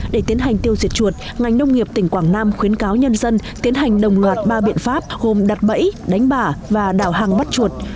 để tiến hành tiêu diệt chuột ngành nông nghiệp tỉnh quảng nam khuyến cáo nhân dân tiến hành đồng loạt ba biện pháp gồm đặt bẫy đánh bả và đào hàng bắt chuột